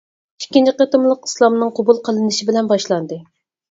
ئىككىنچى قېتىملىقى ئىسلامنىڭ قوبۇل قىلىنىشى بىلەن باشلاندى.